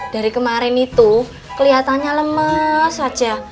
dari kemarin itu keliatannya lemes aja